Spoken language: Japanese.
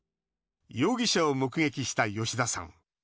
容疑者を目撃した吉田さん。